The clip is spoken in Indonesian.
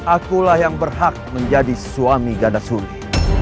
akulah yang berhak menjadi suami gadasuri